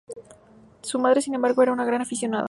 Su madre, sin embargo, era una gran aficionada.